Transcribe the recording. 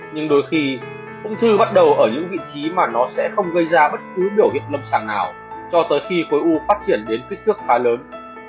nhưng đôi khi ung thư bắt đầu ở những vị trí mà nó sẽ không gây ra bất cứ biểu hiện lâm sàng nào cho tới khi khối u phát triển đến kích thước khá lớn